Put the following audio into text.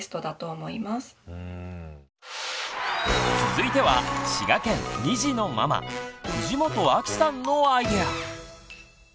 続いては滋賀県２児のママ藤本晶さんのアイデア！